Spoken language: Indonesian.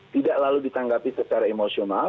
tidak lalu ditanggapi secara emosional